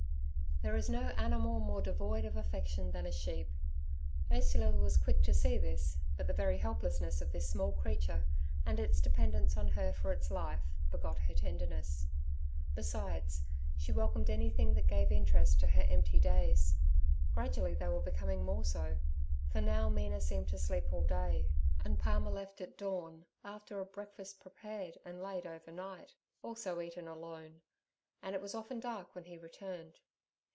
There is no animal more devoid of affection than a sheep. Ursula was quick to see this, but the very helplessness of this small creature, and its dependence on her for its life, begot her tenderness. Besides, she welcomed anything that gave interest to her empty days. Gradually they were becoming more so, for now Mina seemed to sleep all day, and Palmer left at dawn after a breakfast prepared and laid overnight, also eaten alone, and it was often dark when he returned.